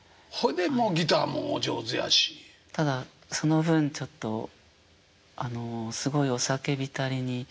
ただその分ちょっとすごいお酒浸りに。